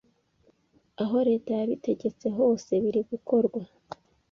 aho leta yabitegetse hose biri gukorwa